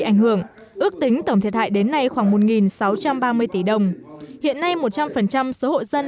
bị ảnh hưởng ước tính tổng thiệt hại đến nay khoảng một sáu trăm ba mươi tỷ đồng hiện nay một trăm linh số hộ dân